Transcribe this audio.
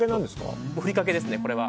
ふりかけです。